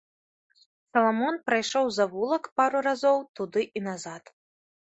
Саламон прайшоў завулак пару разоў туды і назад.